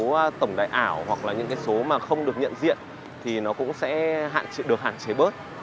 các tổng đại ảo hoặc là những số mà không được nhận diện thì nó cũng sẽ được hạn chế bớt